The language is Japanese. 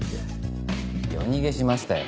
夜逃げしましたよ